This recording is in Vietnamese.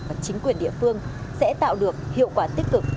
và chính quyền địa phương sẽ tạo được hiệu quả tích cực